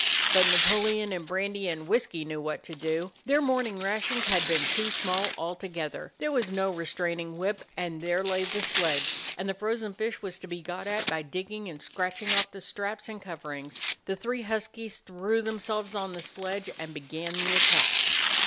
But Napoleon and Brandy and Whisky knew what to do. Their morning rations had been too small altogether. There was no re straining whip, and there lay the sledge, and the frozen fish was to be got at by digging and scratching off the straps and coverings. The 42 A DOG OF THE NORTHLAND three huskies threw themselves on the sledge and began the attack.